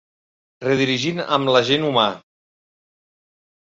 Redirigint amb l'agent humà.